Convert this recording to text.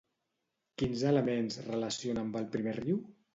Quins elements relaciona amb el primer riu?